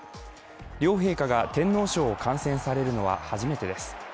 両陛下が天皇賞を観戦されるのは初めてです。